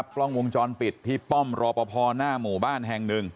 ลบถึงกล้องวงชอนปิดที่ป้อมรอประพอหน้าหมู่บ้านแห่งหนึ่ง